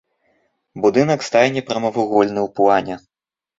Будынак стайні прамавугольны ў плане.